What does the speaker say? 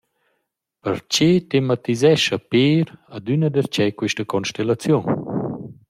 Perche tematisescha Peer adüna darcheu quista constellaziun?